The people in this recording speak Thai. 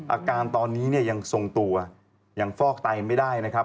อาการตอนนี้เนี่ยยังทรงตัวยังฟอกไตไม่ได้นะครับ